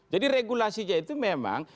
jadi regulasinya itu memang